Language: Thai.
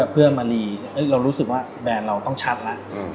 เพื่อมารีเรารู้สึกว่าแบรนด์เราต้องชัดแล้ว